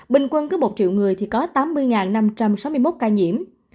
bình quân cứ một triệu người thì có tám mươi năm trăm sáu mươi một ca nhiễm